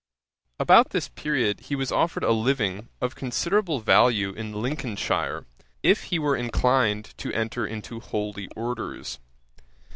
] About this period he was offered a living of considerable value in Lincolnshire, if he were inclined to enter into holy orders.